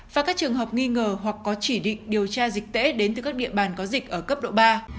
và các trường hợp nghi ngờ hoặc có chỉ định điều tra dịch tễ đến từ các địa bàn có dịch ở cấp độ ba